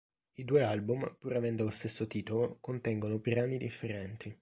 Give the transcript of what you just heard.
I due album, pur avendo lo stesso titolo, contengono brani differenti.